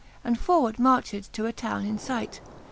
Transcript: And forward marched to a towne In fight.